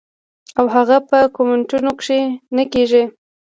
او هغه پۀ کمنټونو کښې نۀ کيږي -